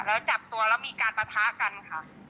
แล้วจับตัวแล้วมีการปะทะกันค่ะ